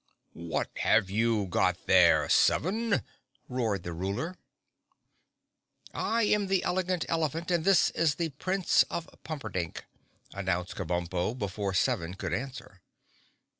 "What have you got there, Seven?" roared the Ruler. "I am the Elegant Elephant and this is the Prince of Pumperdink," announced Kabumpo before Seven could answer.